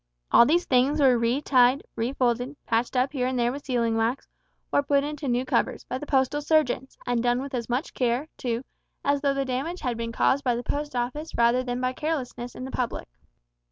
All these things were being re tied, re folded, patched up here and there with sealing wax, or put into new covers, by the postal surgeons, and done with as much care, too, as though the damage had been caused by the Post Office rather than by carelessness in the public.